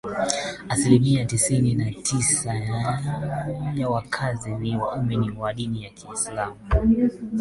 Asilimia tisini na tisini na tisa ya wakazi ni waumini wa dini ya kiislamu